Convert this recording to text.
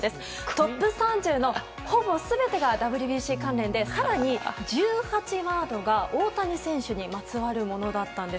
トップ３０のほぼ全てがＷＢＣ関連で更に１８ワードが、大谷選手にまつわるものだったんです。